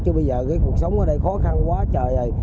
chứ bây giờ cái cuộc sống ở đây khó khăn quá trời